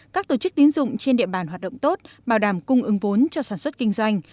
các tổ chức tín dụng trên địa bàn hoạt động tốt bảo đảm cung ứng vốn cho sản xuất kinh doanh